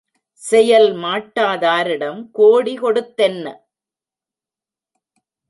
செயல் மாட்டாதாரிடம் கோடி கொடுத் தென்ன?